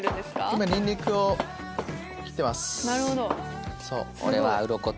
今ニンニクを切ってます。